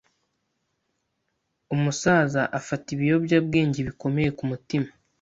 Umusaza afata ibiyobyabwenge bikomeye kumutima.